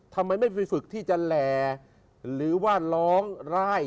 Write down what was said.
ทำไมไม่ฝึกที่จะแหล่หรือว่าล้องไล่